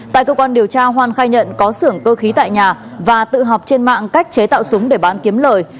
tại cơ quan điều tra hoan khai nhận có xưởng cơ khí tại nhà và tự học trên mạng cách chế tạo súng để bán kiếm lời